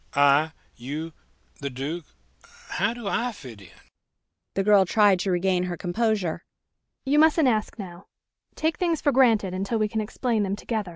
I you the Duke how do I fit in?" The girl tried to regain her composure. "You mustn't ask now: take things for granted until we can explain them together, alone.